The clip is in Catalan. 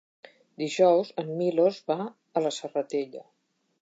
Dijous en Milos va a la Serratella.